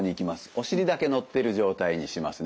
お尻だけのってる状態にしますね。